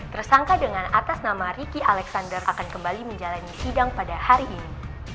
tersangka dengan atas nama ricky alexander akan kembali menjalani sidang pada hari ini